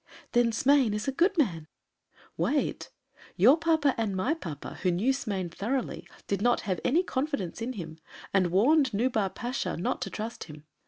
"Then Smain is a good man?" "Wait! Your papa and my papa, who knew Smain thoroughly, did not have any confidence in him and warned Nubar Pasha not to trust him.